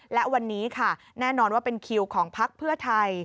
และวันนี้ค่ะแน่นอนว่าเป็นคิวของพักเพื่อไทย